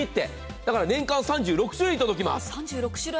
だから年間３６種類、届きます。